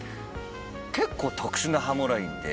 結構特殊なハモラインで。